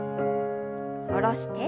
下ろして。